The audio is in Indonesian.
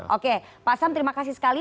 oke pak sam terima kasih sekali